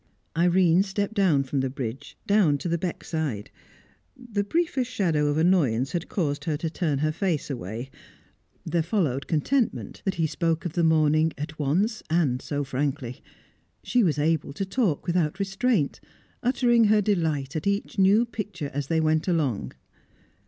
Irene stepped down from the bridge down to the beckside. The briefest shadow of annoyance had caused her to turn her face away; there followed contentment that he spoke of the morning, at once and so frankly. She was able to talk without restraint, uttering her delight at each new picture as they went along.